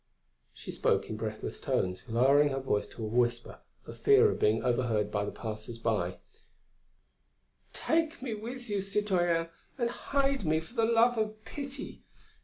She spoke in breathless tones, lowering her voice to a whisper for fear of being overheard by the passers by: "Take me with you, citoyen, and hide me, for the love of pity!...